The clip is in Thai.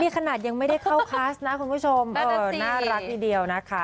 ขนาดยังไม่ได้เข้าคลาสนะคุณผู้ชมน่ารักทีเดียวนะคะ